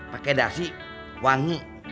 pake dasi wangi